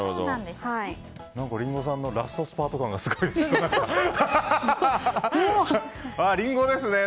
リンゴさんのラストスパート感がすごいですね。